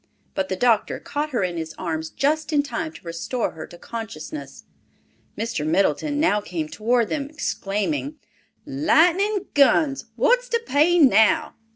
But the doctor caught her in his arms just in time to restore her to consciousness! Mr. Middleton now came toward them, exclaiming, "Lightning guns! What's to pay now?